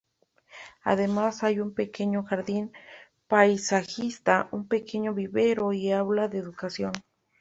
Además hay un pequeño jardín paisajista, un pequeño vivero y aula de educación.